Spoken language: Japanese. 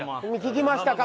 聞きましたか